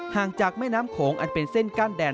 งจากแม่น้ำโขงอันเป็นเส้นกั้นแดน